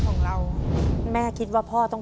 ตัวเลือกที่๔ขึ้น๘ค่ำเดือน๗